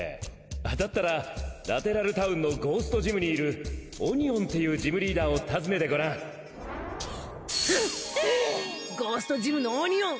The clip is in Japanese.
だったらラテラルタウンのゴーストジムにいるオニオンっていうジムリーダーを訪ねてごらんゴーストジムのオニオン！